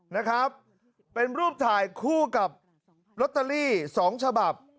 นะครับเป็นรูปถ่ายคู่กับลอตเตอรี่สองฉบับ